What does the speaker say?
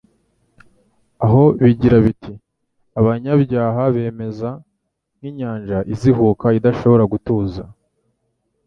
aho bigira biti : "Abanyabyaha bameze nk'inyainja izihuka idashobora gutuza.